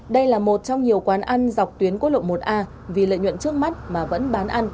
đây là một trong nhiều quán ăn dọc tuyến quốc lộ một a vì lợi nhuận trước mắt mà vẫn bán ăn